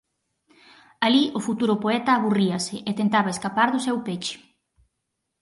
Alí o futuro poeta aburríase e tentaba escapar do seu peche.